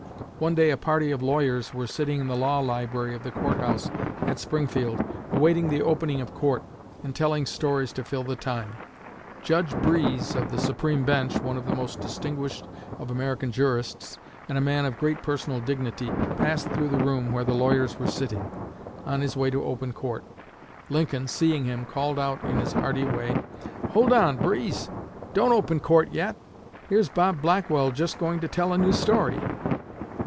One day a party of lawyers were sitting in the law library of the court house at Springfield, awaiting the opening of court, and telling stories to fill the time. Judge Breese of the Supreme bench one of the most distinguished of American jurists, and a man of great personal dignity passed through the room where the lawyers were sitting, on his way to open court. Lincoln, seeing him, called out in his hearty way, "Hold on, Breese! Don't open court yet! Here's Bob Blackwell just going to tell a new story!"